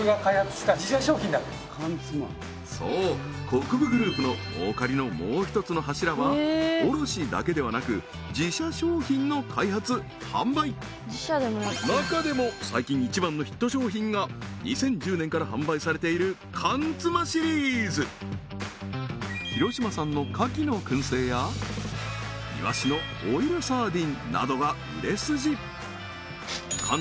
そう国分グループの儲かりのもう一つの柱は卸だけではなく自社商品の開発・販売中でも最近一番のヒット商品が２０１０年から販売されている缶つまシリーズ広島産のかきの燻製やいわしのオイルサーディンなどが売れ筋缶